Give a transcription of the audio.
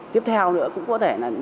tiếp theo nữa cũng có thể là